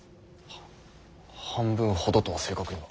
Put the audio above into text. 半分ほどとは正確には？